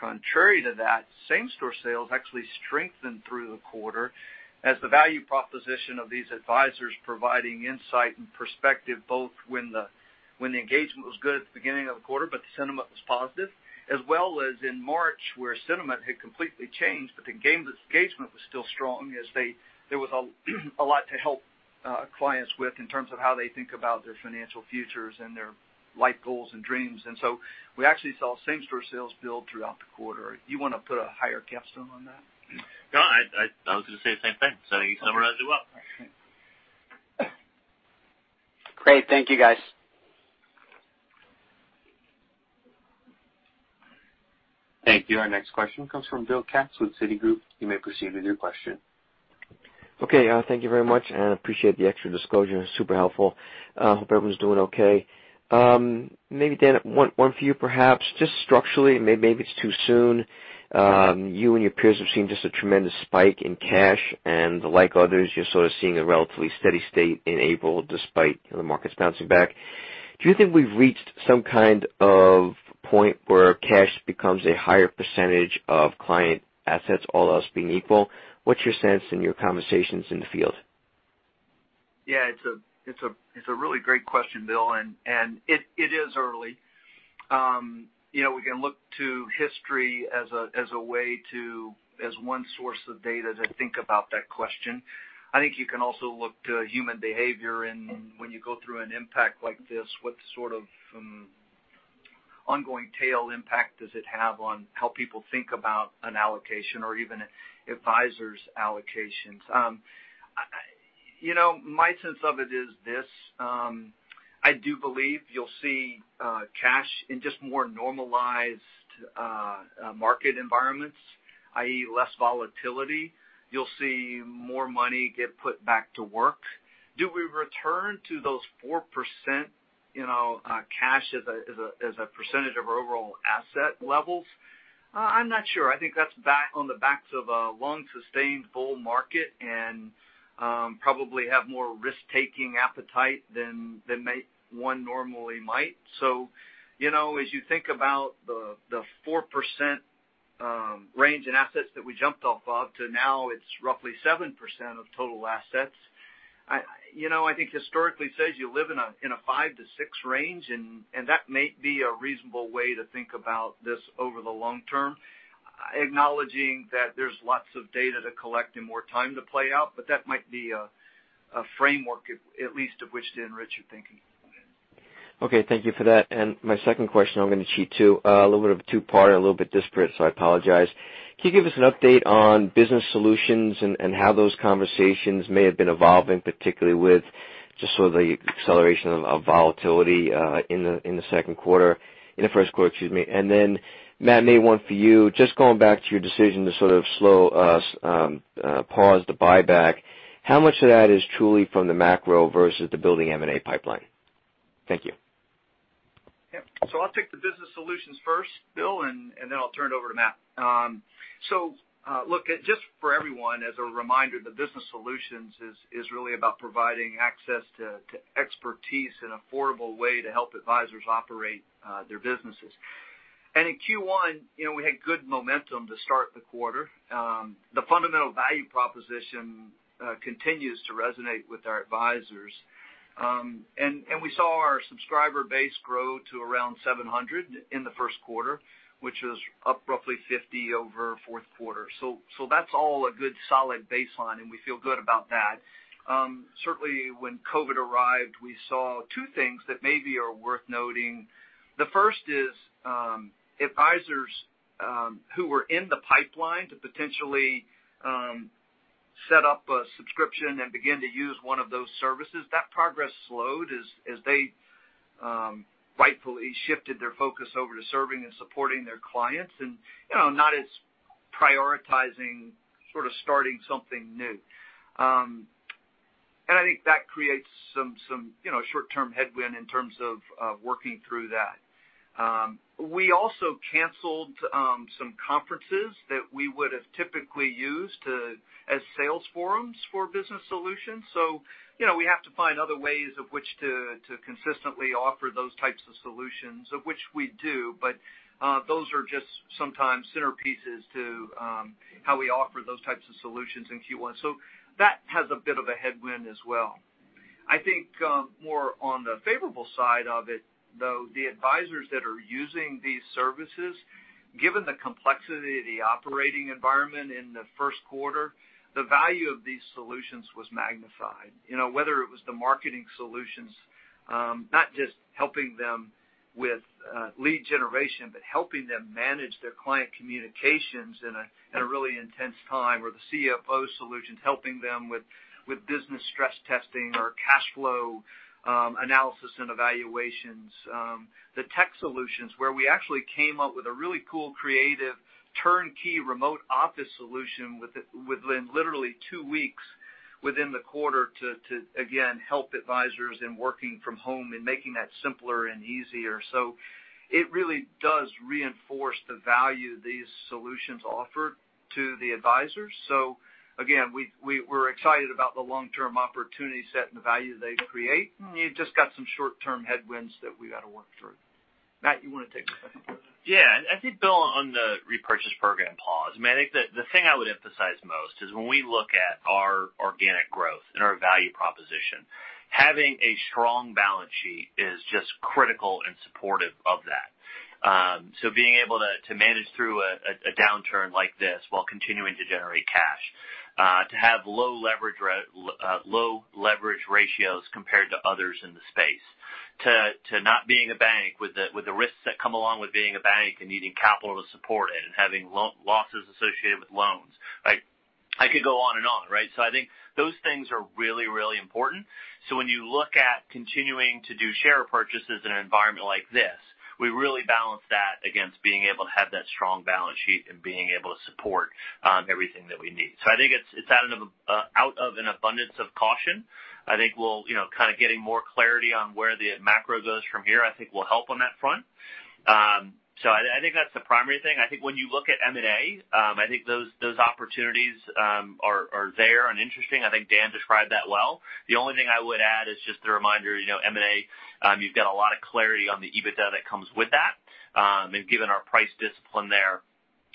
B: contrary to that, same-store sales actually strengthened through the quarter as the value proposition of these advisors providing insight and perspective both when the engagement was good at the beginning of the quarter, but the sentiment was positive, as well as in March where sentiment had completely changed, but the engagement was still strong as there was a lot to help clients with in terms of how they think about their financial futures and their life goals and dreams. And so we actually saw same-store sales build throughout the quarter. You want to put a higher capstone on that?
C: No, I was going to say the same thing. So you summarized it well.
F: Great. Thank you, guys.
A: Thank you. Our next question comes from Bill Katz with Citigroup. You may proceed with your question.
G: Okay. Thank you very much, and I appreciate the extra disclosure. Super helpful. Hope everyone's doing okay. Maybe, Dan, one for you perhaps. Just structurally, maybe it's too soon. You and your peers have seen just a tremendous spike in cash, and like others, you're sort of seeing a relatively steady state in April despite the markets bouncing back. Do you think we've reached some kind of point where cash becomes a higher percentage of client assets, all else being equal? What's your sense and your conversations in the field?
B: Yeah. It's a really great question, Bill, and it is early. We can look to history as a way to, as one source of data to think about that question. I think you can also look to human behavior when you go through an impact like this. What sort of ongoing tail impact does it have on how people think about an allocation or even advisors' allocations? My sense of it is this. I do believe you'll see cash in just more normalized market environments, i.e., less volatility. You'll see more money get put back to work. Do we return to those 4% cash as a percentage of our overall asset levels? I'm not sure. I think that's on the backs of a long-sustained bull market and probably have more risk-taking appetite than one normally might. So as you think about the 4% range in assets that we jumped off of to now, it's roughly 7% of total assets. I think historically, it says you live in a 5%-6% range, and that may be a reasonable way to think about this over the long term, acknowledging that there's lots of data to collect and more time to play out, but that might be a framework at least of which to enrich your thinking.
G: Okay. Thank you for that. My second question, I'm going to cheat too. A little bit of a two-part and a little bit disparate, so I apologize. Can you give us an update on Business Solutions and how those conversations may have been evolving, particularly with just sort of the acceleration of volatility in the second quarter, in the first quarter, excuse me? And then Matt, maybe one for you. Just going back to your decision to sort of slow pause the buyback, how much of that is truly from the macro versus the building M&A pipeline? Thank you.
B: Yep. I'll take the Business Solutions first, Bill, and then I'll turn it over to Matt. Look, just for everyone, as a reminder, the Business Solutions is really about providing access to expertise in an affordable way to help advisors operate their businesses. In Q1, we had good momentum to start the quarter. The fundamental value proposition continues to resonate with our advisors. We saw our subscriber base grow to around 700 in the first quarter, which was up roughly 50 over fourth quarter. So that's all a good solid baseline, and we feel good about that. Certainly, when COVID arrived, we saw two things that maybe are worth noting. The first is advisors who were in the pipeline to potentially set up a subscription and begin to use one of those services. That progress slowed as they rightfully shifted their focus over to serving and supporting their clients and not as prioritizing sort of starting something new. I think that creates some short-term headwind in terms of working through that. We also canceled some conferences that we would have typically used as sales forums for Business Solutions. So we have to find other ways of which to consistently offer those types of solutions, of which we do, but those are just sometimes centerpieces to how we offer those types of solutions in Q1. So that has a bit of a headwind as well. I think more on the favorable side of it, though, the advisors that are using these services, given the complexity of the operating environment in the first quarter, the value of these solutions was magnified. Whether it was the Marketing Solutions, not just helping them with lead generation, but helping them manage their client communications in a really intense time, or the CFO Solutions helping them with business stress testing or cash flow analysis and evaluations, the Tech Solutions where we actually came up with a really cool creative turnkey remote office solution within literally two weeks within the quarter to, again, help advisors in working from home and making that simpler and easier, so it really does reinforce the value these solutions offer to the advisors, so again, we're excited about the long-term opportunity set and the value they create, and you just got some short-term headwinds that we got to work through. Matt, you want to take a second?
C: Yeah. I think, Bill, on the repurchase program pause, I mean, I think the thing I would emphasize most is when we look at our organic growth and our value proposition, having a strong balance sheet is just critical and supportive of that. So being able to manage through a downturn like this while continuing to generate cash, to have low leverage ratios compared to others in the space, to not being a bank with the risks that come along with being a bank and needing capital to support it and having losses associated with loans. I could go on and on, right? So I think those things are really, really important. So when you look at continuing to do share purchases in an environment like this, we really balance that against being able to have that strong balance sheet and being able to support everything that we need. So I think it's out of an abundance of caution. I think we'll kind of get more clarity on where the macro goes from here. I think that will help on that front. So I think that's the primary thing. I think when you look at M&A, I think those opportunities are there and interesting. I think Dan described that well. The only thing I would add is just the reminder, M&A, you've got a lot of clarity on the EBITDA that comes with that. And given our price discipline there,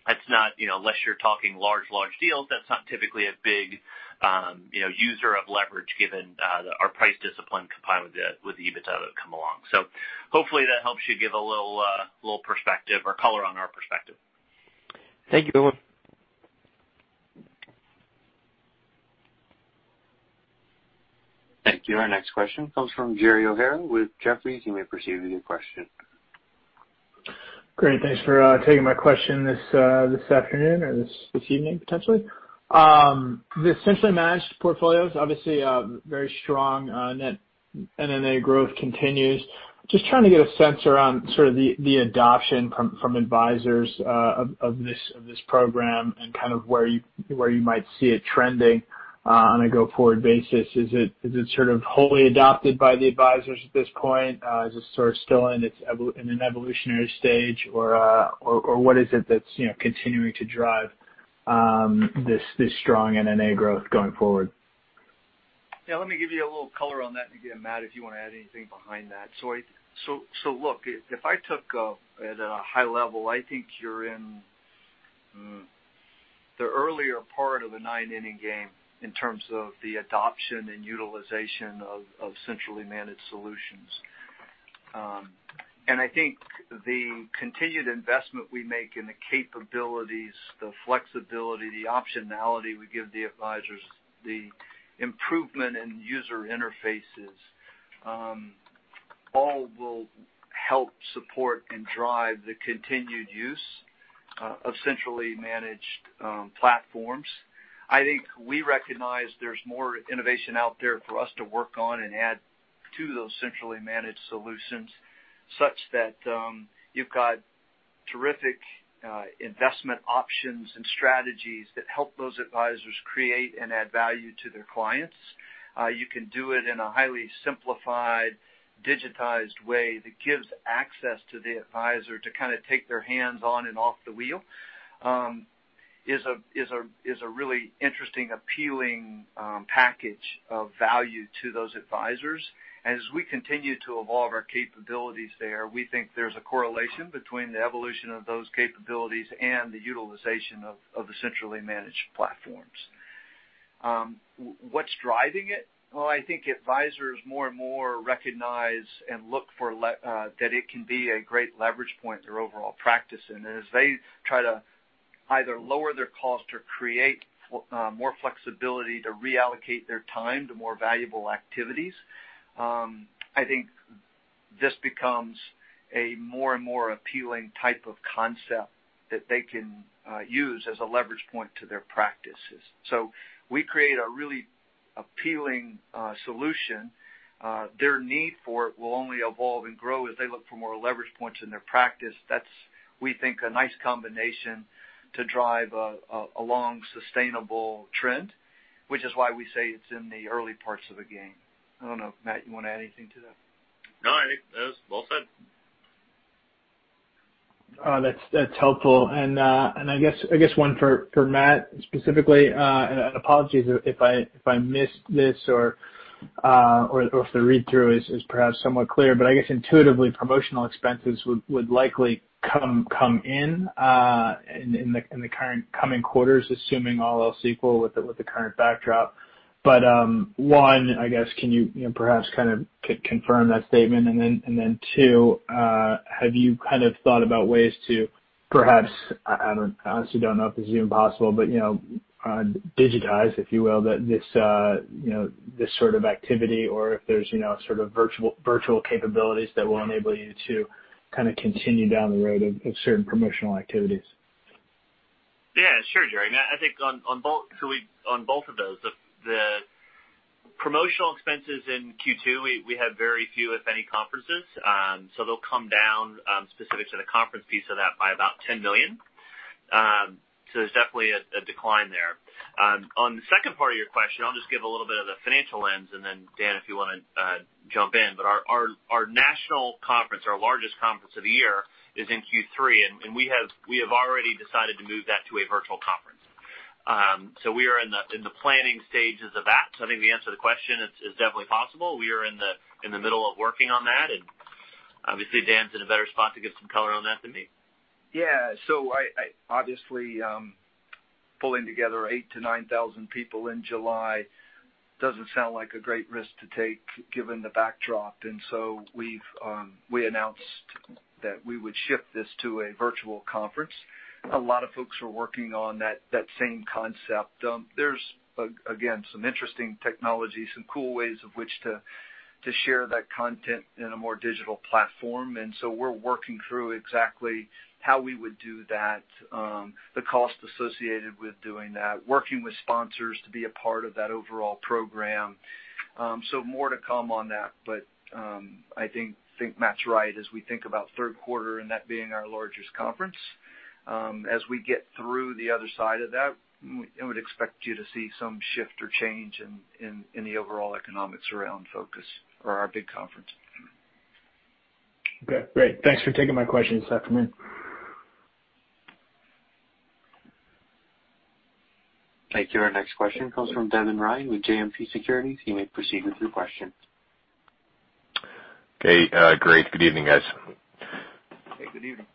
C: unless you're talking large, large deals, that's not typically a big user of leverage given our price discipline combined with the EBITDA that would come along. So hopefully that helps give you a little perspective or color on our perspective.
G: Thank you, Bill.
A: Thank you. Our next question comes from Gerry O'Hara with Jefferies. You may proceed with your question.
H: Great. Thanks for taking my question this afternoon or this evening, potentially. The centrally managed portfolios, obviously very strong net NNA growth continues. Just trying to get a sense around sort of the adoption from advisors of this program and kind of where you might see it trending on a go-forward basis. Is it sort of wholly adopted by the advisors at this point? Is it sort of still in an evolutionary stage, or what is it that's continuing to drive this strong NNA growth going forward?
B: Yeah. Let me give you a little color on that, and again, Matt, if you want to add anything behind that. So look, if I took it at a high level, I think you're in the earlier part of the nine-inning game in terms of the adoption and utilization of centrally managed solutions. And I think the continued investment we make in the capabilities, the flexibility, the optionality we give the advisors, the improvement in user interfaces, all will help support and drive the continued use of centrally managed platforms. I think we recognize there's more innovation out there for us to work on and add to those centrally managed solutions such that you've got terrific investment options and strategies that help those advisors create and add value to their clients. You can do it in a highly simplified, digitized way that gives access to the advisor to kind of take their hands on and off the wheel, is a really interesting, appealing package of value to those advisors. And as we continue to evolve our capabilities there, we think there's a correlation between the evolution of those capabilities and the utilization of the centrally managed platforms. What's driving it? Well, I think advisors more and more recognize and look for that it can be a great leverage point in their overall practice. And as they try to either lower their cost or create more flexibility to reallocate their time to more valuable activities, I think this becomes a more and more appealing type of concept that they can use as a leverage point to their practices. So we create a really appealing solution. Their need for it will only evolve and grow as they look for more leverage points in their practice. That's, we think, a nice combination to drive a long, sustainable trend, which is why we say it's in the early parts of the game. I don't know, Matt, you want to add anything to that?
C: No, I think that was well said.
H: That's helpful. I guess one for Matt specifically, and apologies if I missed this or if the read-through is perhaps somewhat clear, but I guess intuitively promotional expenses would likely come in in the coming quarters, assuming all else equal with the current backdrop. But one, I guess, can you perhaps kind of confirm that statement? And then two, have you kind of thought about ways to perhaps, I honestly don't know if this is even possible, but digitize, if you will, this sort of activity or if there's sort of virtual capabilities that will enable you to kind of continue down the road of certain promotional activities?
C: Yeah. Sure, Gerry. I think on both of those, the promotional expenses in Q2, we have very few, if any, conferences. So they'll come down specific to the conference piece of that by about $10 million. So there's definitely a decline there. On the second part of your question, I'll just give a little bit of the financial lens, and then Dan, if you want to jump in. But our national conference, our largest conference of the year, is in Q3, and we have already decided to move that to a virtual conference. So we are in the planning stages of that. So I think the answer to the question is definitely possible. We are in the middle of working on that, and obviously, Dan's in a better spot to give some color on that than me.
B: Yeah. So obviously, pulling together 8-9 thousand people in July doesn't sound like a great risk to take given the backdrop. And so we announced that we would shift this to a virtual conference. A lot of folks are working on that same concept. There's, again, some interesting technologies, some cool ways of which to share that content in a more digital platform. And so we're working through exactly how we would do that, the cost associated with doing that, working with sponsors to be a part of that overall program. So more to come on that, but I think Matt's right as we think about third quarter and that being our largest conference. As we get through the other side of that, I would expect you to see some shift or change in the overall economics around Focus or our big conference.
H: Okay. Great. Thanks for taking my questions this afternoon.
A: Thank you. Our next question comes from Devin Ryan with JMP Securities. He may proceed with your question.
I: Okay. Great. Good evening, guys. Hey, good evening.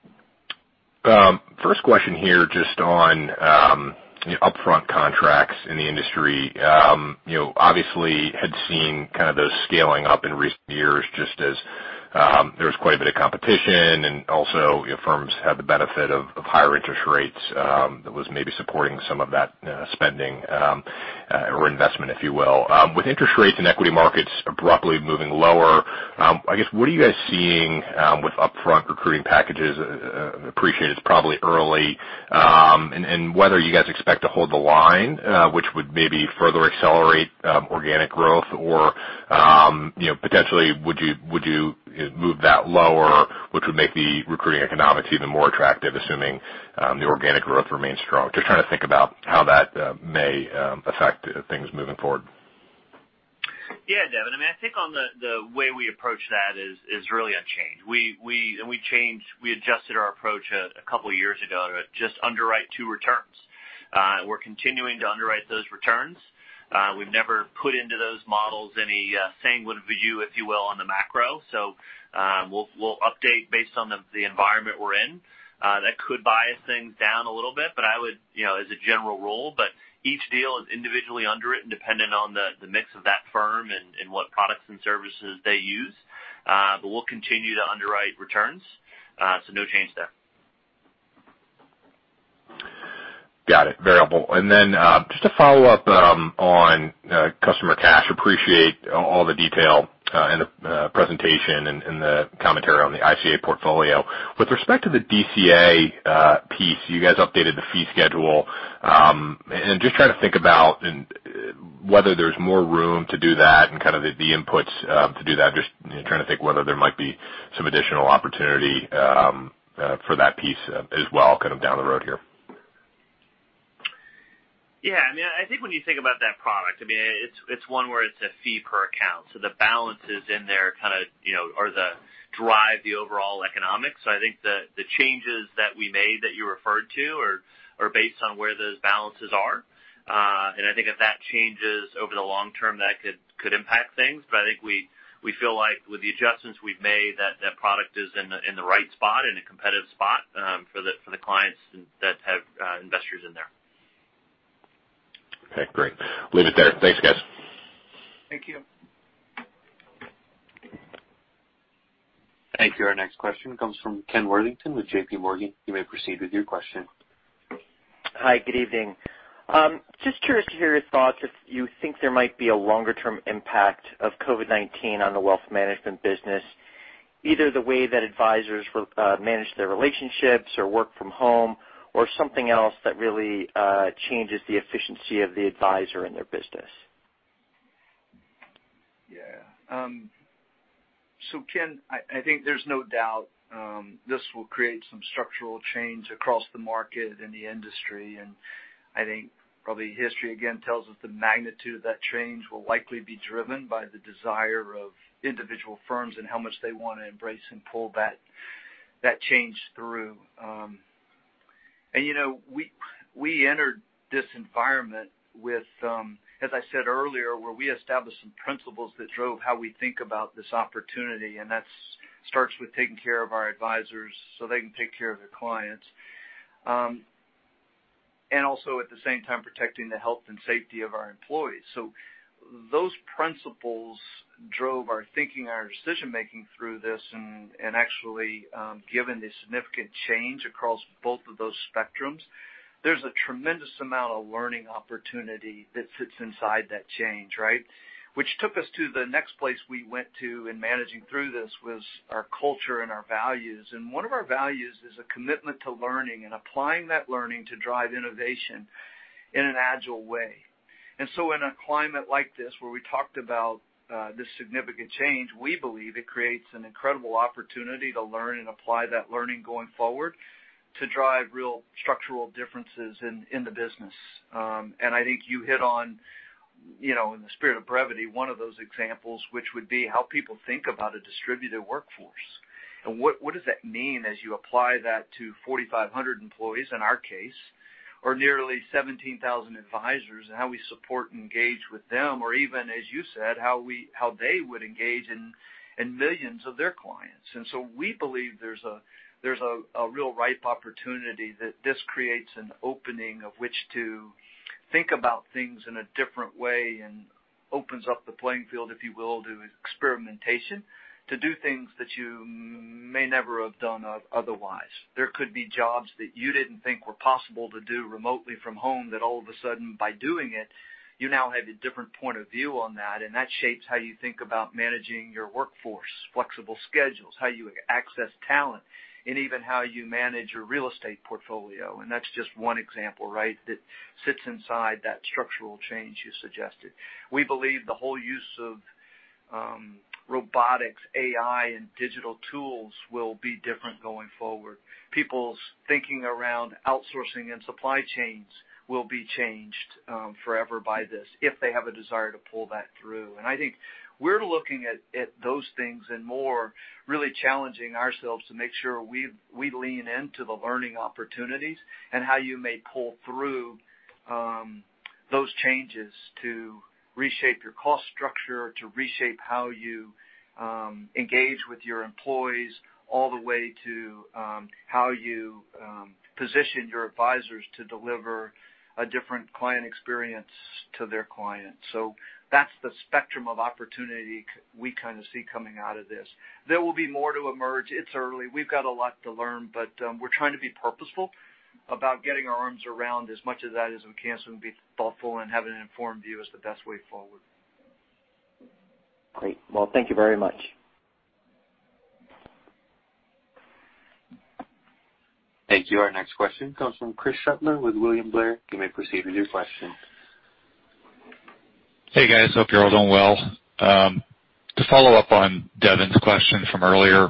I: First question here just on upfront contracts in the industry. Obviously, had seen kind of those scaling up in recent years just as there was quite a bit of competition, and also firms had the benefit of higher interest rates that was maybe supporting some of that spending or investment, if you will. With interest rates and equity markets abruptly moving lower, I guess, what are you guys seeing with upfront recruiting packages? Appreciate it's probably early, and whether you guys expect to hold the line, which would maybe further accelerate organic growth, or potentially, would you move that lower, which would make the recruiting economics even more attractive, assuming the organic growth remains strong? Just trying to think about how that may affect things moving forward.
C: Yeah, Devin. I mean, I think on the way we approach that is really unchanged. We adjusted our approach a couple of years ago to just underwrite two returns. We're continuing to underwrite those returns. We've never put into those models any sanguine view, if you will, on the macro. So we'll update based on the environment we're in. That could bias things down a little bit, but I would, as a general rule, but each deal is individually underwritten depending on the mix of that firm and what products and services they use. But we'll continue to underwrite returns. So no change there.
I: Got it. Very helpful. And then just to follow up on customer cash, appreciate all the detail in the presentation and the commentary on the ICA portfolio. With respect to the DCA piece, you guys updated the fee schedule. And just trying to think about whether there's more room to do that and kind of the inputs to do that. Just trying to think whether there might be some additional opportunity for that piece as well kind of down the road here.
C: Yeah. I mean, I think when you think about that product, I mean, it's one where it's a fee per account. So the balances in there kind of drive the overall economics. So I think the changes that we made that you referred to are based on where those balances are. And I think if that changes over the long term, that could impact things. But I think we feel like with the adjustments we've made, that product is in the right spot, in a competitive spot for the clients that have investors in there.
I: Okay. Great. Leave it there. Thanks, guys.
B: Thank you.
A: Thank you. Our next question comes from Ken Worthington with JPMorgan. You may proceed with your question.
J: Hi. Good evening. Just curious to hear your thoughts if you think there might be a longer-term impact of COVID-19 on the wealth management business, either the way that advisors manage their relationships or work from home or something else that really changes the efficiency of the advisor in their business?
B: Yeah, so Ken, I think there's no doubt this will create some structural change across the market and the industry, and I think probably history again tells us the magnitude of that change will likely be driven by the desire of individual firms and how much they want to embrace and pull that change through, and we entered this environment with, as I said earlier, where we established some principles that drove how we think about this opportunity. And that starts with taking care of our advisors so they can take care of their clients and also, at the same time, protecting the health and safety of our employees. So those principles drove our thinking, our decision-making through this. And actually, given the significant change across both of those spectrums, there's a tremendous amount of learning opportunity that sits inside that change, right? Which took us to the next place we went to in managing through this, was our culture and our values. And one of our values is a commitment to learning and applying that learning to drive innovation in an agile way. And so in a climate like this where we talked about this significant change, we believe it creates an incredible opportunity to learn and apply that learning going forward to drive real structural differences in the business. I think you hit on, in the spirit of brevity, one of those examples, which would be how people think about a distributed workforce. What does that mean as you apply that to 4,500 employees in our case or nearly 17,000 advisors and how we support and engage with them, or even, as you said, how they would engage in millions of their clients? We believe there's a real ripe opportunity that this creates an opening of which to think about things in a different way and opens up the playing field, if you will, to experimentation, to do things that you may never have done otherwise. There could be jobs that you didn't think were possible to do remotely from home that all of a sudden, by doing it, you now have a different point of view on that. And that shapes how you think about managing your workforce, flexible schedules, how you access talent, and even how you manage your real estate portfolio. And that's just one example, right, that sits inside that structural change you suggested. We believe the whole use of robotics, AI, and digital tools will be different going forward. People's thinking around outsourcing and supply chains will be changed forever by this if they have a desire to pull that through. And I think we're looking at those things and more really challenging ourselves to make sure we lean into the learning opportunities and how you may pull through those changes to reshape your cost structure, to reshape how you engage with your employees, all the way to how you position your advisors to deliver a different client experience to their clients. So that's the spectrum of opportunity we kind of see coming out of this. There will be more to emerge. It's early. We've got a lot to learn, but we're trying to be purposeful about getting our arms around as much of that as we can so we can be thoughtful and have an informed view as the best way forward.
J: Great. Well, thank you very much.
A: Thank you. Our next question comes from Chris Shutler with William Blair. You may proceed with your question.
K: Hey, guys. Hope you're all doing well. To follow up on Devin's question from earlier,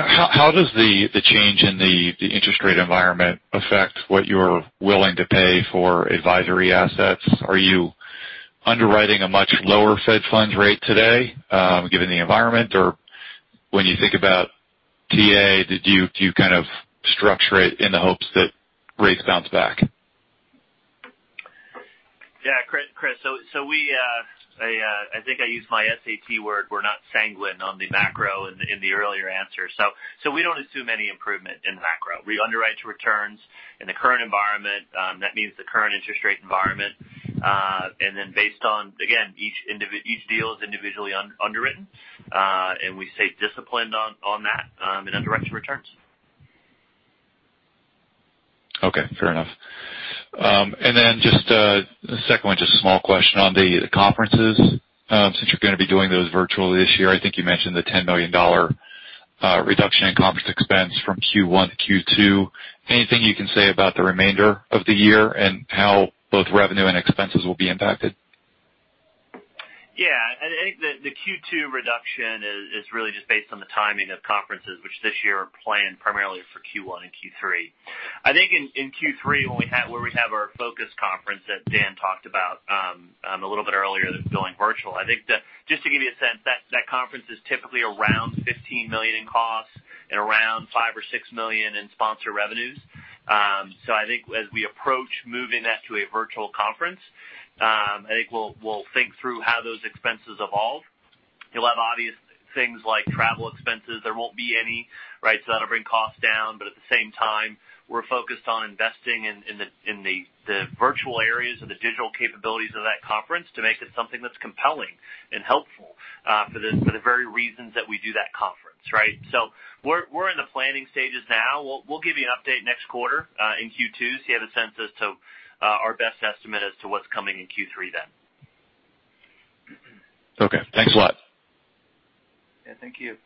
K: how does the change in the interest rate environment affect what you're willing to pay for advisory assets? Are you underwriting a much lower Fed funds rate today given the environment? Or when you think about TA, do you kind of structure it in the hopes that rates bounce back?
C: Yeah, Chris, so I think I used my SAT word. We're not sanguine on the macro in the earlier answer. So we don't assume any improvement in the macro. We underwrite returns in the current environment. That means the current interest rate environment. And then based on, again, each deal is individually underwritten, and we stay disciplined on that and underwrite returns. Okay. Fair enough. And then just a second one, just a small question on the conferences. Since you're going to be doing those virtually this year, I think you mentioned the $10 million reduction in conference expense from Q1 to Q2. Anything you can say about the remainder of the year and how both revenue and expenses will be impacted? Yeah. I think the Q2 reduction is really just based on the timing of conferences, which this year are planned primarily for Q1 and Q3. I think in Q3, where we have our Focus conference that Dan talked about a little bit earlier that's going virtual, I think just to give you a sense, that conference is typically around $15 million in cost and around $5 million or $6 million in sponsor revenues. So I think as we approach moving that to a virtual conference, I think we'll think through how those expenses evolve. You'll have obvious things like travel expenses. There won't be any, right? So that'll bring costs down. But at the same time, we're focused on investing in the virtual areas of the digital capabilities of that conference to make it something that's compelling and helpful for the very reasons that we do that conference, right? So we're in the planning stages now. We'll give you an update next quarter in Q2 so you have a sense as to our best estimate as to what's coming in Q3 then.
K: Okay. Thanks a lot.
C: Yeah. Thank you.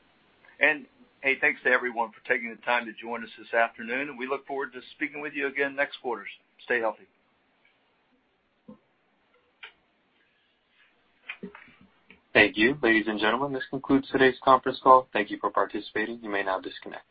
B: And hey, thanks to everyone for taking the time to join us this afternoon. And we look forward to speaking with you again next quarter. Stay healthy.
A: Thank you. Ladies and gentlemen, this concludes today's conference call. Thank you for participating. You may now disconnect.